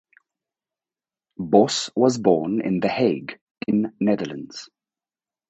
Bos was born in The Hague in Netherlands.